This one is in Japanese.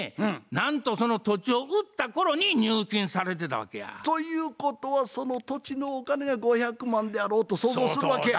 なんとその土地を売ったころに入金されてたわけや。ということはその土地のお金が５００万であろうと想像するわけや。